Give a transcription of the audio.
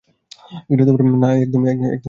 না, একদম ফালতু করেছো।